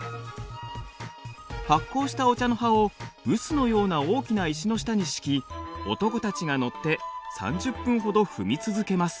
発酵したお茶の葉を臼のような大きな石の下に敷き男たちが乗って３０分ほど踏み続けます。